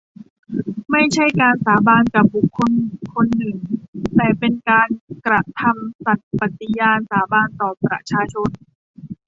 ไม่ใช่การสาบานกับบุคคลคนหนึ่ง แต่เป็นการกระทำสัตย์ปฏิญาณสาบานต่อประชาชน